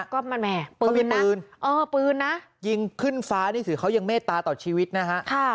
ก็มันแหมปืนนะเออปืนนะยิงขึ้นฟ้านี่สิเขายังเมทตาต่อชีวิตนะฮะ